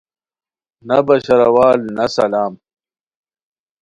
نہ بشاروال نہ سلام